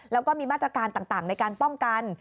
แล้วก็มีมาตรการต่างในการป้องกัน